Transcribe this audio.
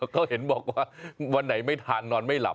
เขาเห็นบอกว่าวันไหนไม่ทานนอนไม่หลับ